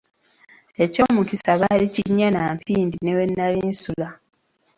Eky'omukisa baali kinnya na mpindi ne we nnali nsula.